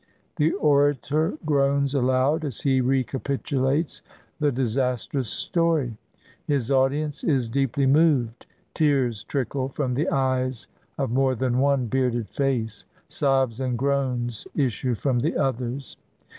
The orator groans aloud as he recapitulates the disas trous story; his audience is deeply moved. Tears trickle from the eyes of more than one bearded face, sobs and groans issue from the others.